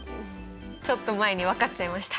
ちょっと前に分かっちゃいました。